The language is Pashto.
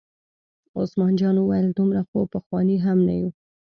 عثمان جان وویل: دومره خو پخواني هم نه یو.